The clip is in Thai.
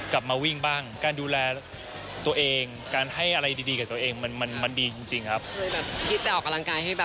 กลับมาวิ่งบ้างการดูแลตัวเองการให้อะไรดีกับตัวเองมันมันดีจริงครับ